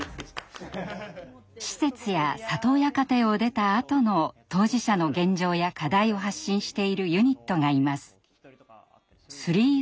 施設や里親家庭を出たあとの当事者の現状や課題を発信しているユニットがいます。